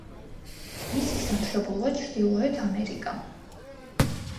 მისი სამშობლოა ჩრდილოეთ ამერიკა.